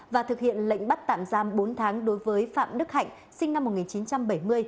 và thực hiện lệnh bắt tạm giam bốn tháng đối với phạm đức hạnh sinh năm một nghìn chín trăm bảy mươi